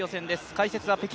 解説は北京